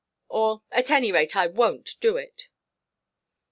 Or, at any rate, I wonʼt do it."